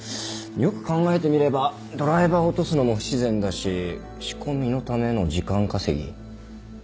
よく考えてみればドライバー落とすのも不自然だし仕込みのための時間稼ぎ。